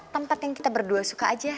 tempat yang kita berdua suka aja